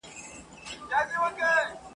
د درخانۍ د ځوانیمرګو حجابونو کیسه !.